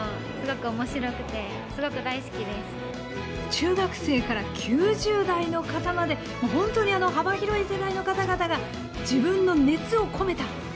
中学生から９０代の方まで本当に幅広い世代の方々が自分の熱を込めた「のど自慢」